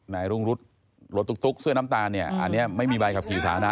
ในรุ่งรถรถตุ๊กเสื้อน้ำตาลอันนี้ไม่มีใบขับขี่สานะ